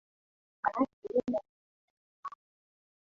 Banati yule anapendeza.